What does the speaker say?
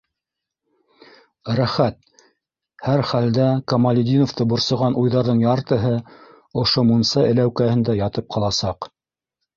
Рәхәт!.. һәр хәлдә Камалетдиновты борсоған уйҙарҙың яртыһы ошо мунса эләүкәһендә ятып ҡаласаҡ!